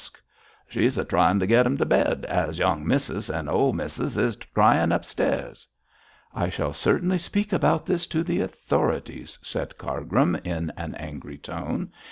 'She's a tryin' to git 'im t' bed, is young missus, an' old missus is cryin' upstairs.' 'I shall certainly speak about this to the authorities,' said Cargrim, in an angry tone.